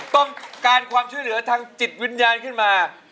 ต้องการความช่วยเหลือทางจิตวิญญาณขึ้นมา